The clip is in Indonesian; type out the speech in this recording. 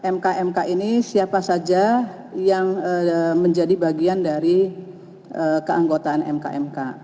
mk mk ini siapa saja yang menjadi bagian dari keanggotaan mk mk